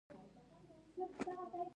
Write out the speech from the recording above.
هیلۍ د تودوخې موسم ته هجرت کوي